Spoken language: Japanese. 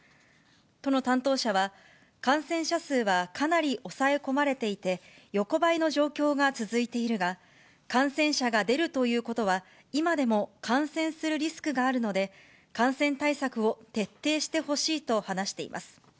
都の担当者は、感染者数はかなり抑え込まれていて、横ばいの状況が続いているが、感染者が出るということは、今でも感染するリスクがあるので、感染対策を徹底してほしいと話しています。